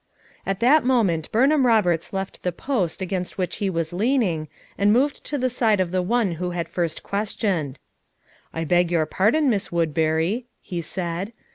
At that moment Burnham Roberts left the post against which he was leaning and moved to the side of the one who had first questioned "I beg your pardon, Miss Woodbury/' he said.